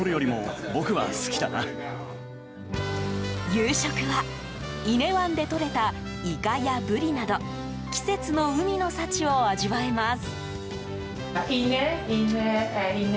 夕食は伊根湾でとれたイカやブリなど季節の海の幸を味わえます。